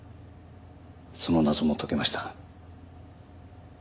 その謎も解けました。